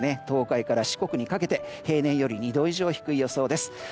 東海から四国にかけて平年より２度以上低い予想です。